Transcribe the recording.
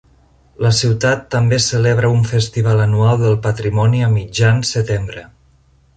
La ciutat també celebra un festival anual del patrimoni a mitjan setembre.